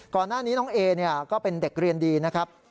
ก่อนหน้านี้น้องเอก็เป็นเด็กเรียนดีนะครับ